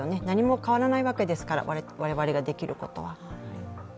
何も変わらないわけですから、我々ができることは。